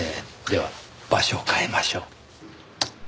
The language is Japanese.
では場所を変えましょう。